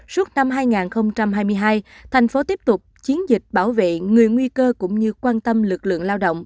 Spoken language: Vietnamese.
suốt năm hai nghìn hai mươi hai thành phố tiếp tục chiến dịch bảo vệ người nguy cơ cũng như quan tâm lực lượng lao động